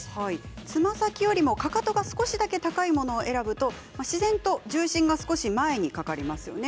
つま先よりも、かかとが少しだけ高いものを選ぶと自然と重心が少し前にかかりますよね。